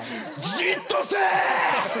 「じっとせい！